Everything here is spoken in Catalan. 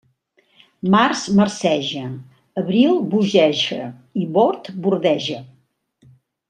Març marceja, abril bogeja i bord bordeja.